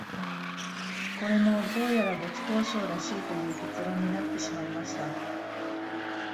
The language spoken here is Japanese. これも、どうやら没交渉らしいという結論になってしまいました